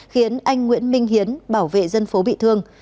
khiến anh nguyễn minh hiến bảo vệ dân phố bị thương